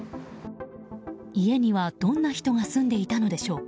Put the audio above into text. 家にはどんな人が住んでいたのでしょうか。